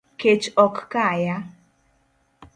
Kech ok kaya